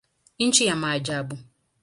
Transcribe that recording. Nchi ya maajabu.